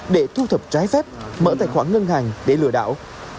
để thu thập trái phép mở tài khoản ngân hàng để lừa đảo